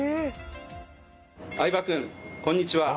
相葉君こんにちは。